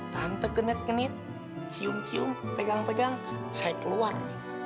tante kenit kenit cium cium pegang pegang saya keluar dari kosan